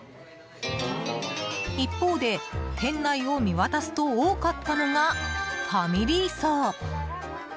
一方で、店内を見渡すと多かったのが、ファミリー層。